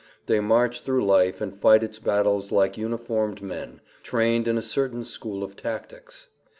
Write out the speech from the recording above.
They march through life and fight its battles like uniformed men, trained in a certain school of tactics.